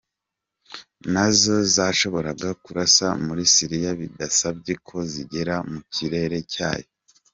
Nazo zashoboraga kurasa muri Syria bidasabye ko zigera mu kirere cyayo.